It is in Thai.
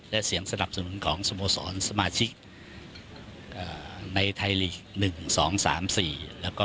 และเสียงสนับสนุนของสโมสรสมาชิกในไทยลีก๑๒๓๔แล้วก็